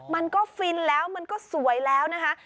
มันก็ฟินแล้วมันก็สวยแล้วนะคะ